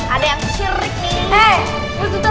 ada yang syrik nih